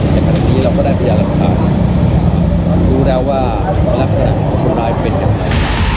ในขณะนี้เราก็ได้พยายามหลักฐานรู้แล้วว่ารักษณะของคนร้ายเป็นอย่างไร